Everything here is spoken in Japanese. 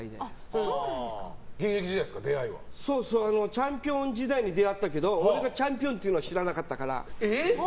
チャンピオン時代に出会ったけど俺がチャンピオンというのは知らなかったから。